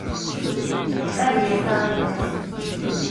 Ad yaf aɣilas.